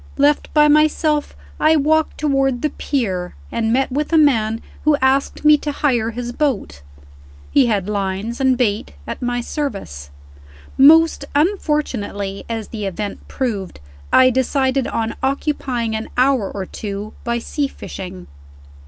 Left by myself, I walked toward the pier, and met with a man who asked me to hire his boat. He had lines and bait, at my service. Most unfortunately, as the event proved, I decided on occupying an hour or two by sea fishing.